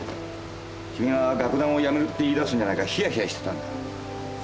君が「楽団を辞める」って言い出すんじゃないか冷や冷やしてたんだ。